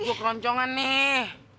lut gue keroncongan nih